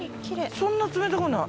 そんな冷たくない。